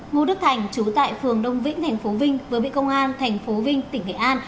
ngô đức thành chú tại phường đông vĩnh tp vinh vừa bị công an tp vinh tỉnh nghệ an